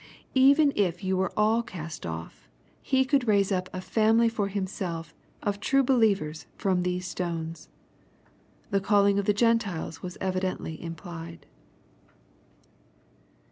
Even if you were all cast off, He could raise up a family for J9tm« 9e^ of true believers from these stones." The calUng of the Gen tiles was evidently implied.